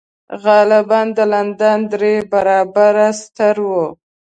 غالباً د لندن درې برابره ستر و